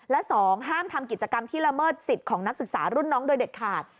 และ๒ห้ามทำกิจกรรมที่ละเมิดสิทธิ์ของนักศึกษารุ่นน้องโดยเด็ดขาด